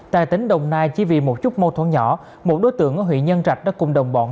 tại tỉnh đồng nai chỉ vì một chút mâu thuẫn nhỏ một đối tượng ở huyện nhân trạch đã cùng đồng bọn